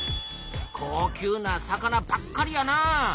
高級な魚ばっかりやな。